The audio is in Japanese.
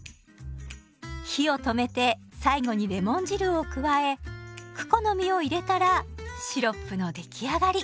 火を止めて最後にレモン汁を加えクコの実を入れたらシロップの出来上がり。